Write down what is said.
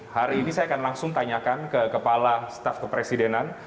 hari ini saya akan langsung tanyakan ke kepala staf kepresidenan